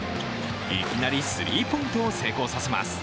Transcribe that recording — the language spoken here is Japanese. いきなりスリーポイントを成功させます。